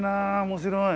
面白い。